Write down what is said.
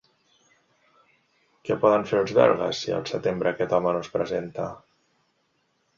Què poden fer els belgues si al setembre aquest home no es presenta?